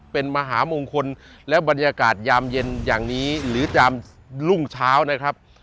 เป็นมหามงคลและบรรยากาศยามเย็นอย่างนี้หรือจามรุ่งเช้านะครับ